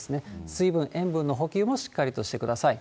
水分、塩分の補給もしっかりとしてください。